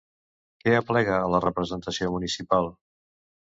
Què aplega la representació municipal?